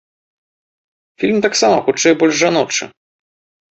Фільм таксама хутчэй больш жаночы.